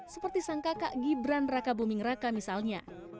seperti sang kakak gibran raka buming raka misalnya